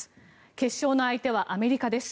決勝の相手はアメリカです。